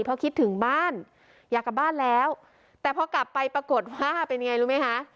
เพราะคิดถึงบ้านอยากกลับบ้านแล้วแต่พอกลับไปปรากฏว่าเป็นยังไงรู้ไหมคะ